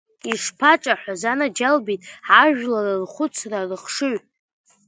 Ишԥаҿаҳәаз, анаџьалбеит, ажәлар рхәыцра, рыхшыҩ!